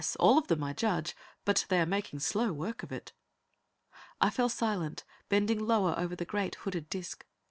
All of them, I judge, but they are making slow work of it." I fell silent, bending lower over the great hooded disc.